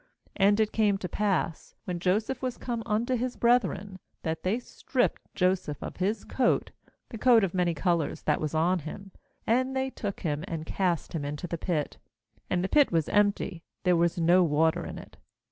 ^And it came to pass, when Joseph was come unto his brethren, that they stripped Joseph of his coat, the coat of many colours that was on him; ^and they took him, and cast him into the pit — and the pit was empty, there was no water in it.